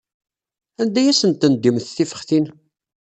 Anda ay asen-tendimt tifextin?